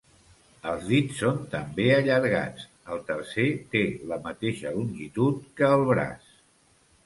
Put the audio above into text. Els dits són també allargats; el tercer té la mateixa longitud que el braç.